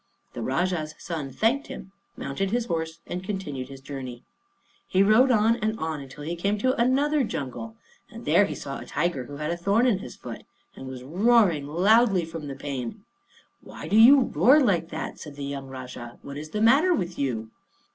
The Rajah's son thanked him, mounted his horse and continued his journey. He rode on and on until he came to another jungle, and there he saw a tiger who had a thorn in his foot, and was roaring loudly from the pain. "Why do you roar like that?" said the young Rajah. "What is the matter with you?"